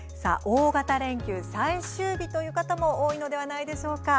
大型連休最終日という方も多いのではないでしょうか。